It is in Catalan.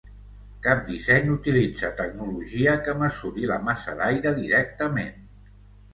Cap disseny utilitza tecnologia que mesuri la massa d'aire directament.